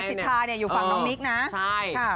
สิทธาเนี่ยอยู่ฝั่งน้องนิกนะใช่ค่ะ